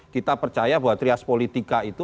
kita percaya bahwa trias politika itu